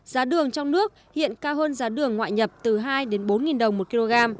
giá đường trong nước hiện cao hơn giá đường ngoại nhập từ hai bốn đồng một kg